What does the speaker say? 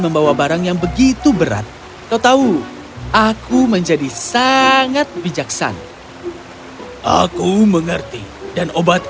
membawa barang yang begitu berat kau tahu aku menjadi sangat bijaksana aku mengerti dan obat